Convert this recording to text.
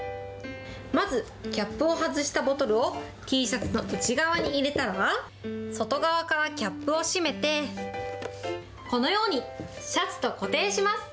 まずキャップを外したボトルをＴシャツの内側に入れたら、外側からキャップを締めて、このように、シャツと固定します。